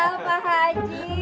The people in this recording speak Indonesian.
ya iyalah pak haji